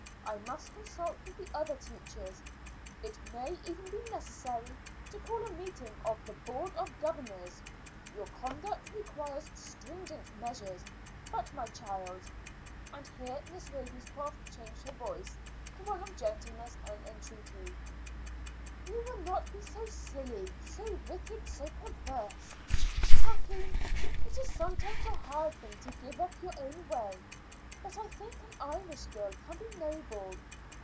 I must consult with the other teachers. It may even be necessary to call a meeting of the Board of Governors. Your conduct requires stringent measures. But, my child" and here Miss Ravenscroft changed her voice to one of gentleness and entreaty "you will not be so silly, so wicked, so perverse. Kathleen, it is sometimes a hard thing to give up your own way, but I think an Irish girl can be noble.